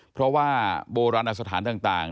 เพราะว่าโบราณอสถานต่าง